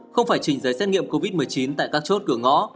không phải chỉnh giấy xét nghiệm covid một mươi chín tại các chốt cửa ngõ